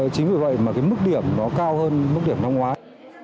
chính vì vậy mà cái mức điểm nó cao hơn mức điểm năm ngoái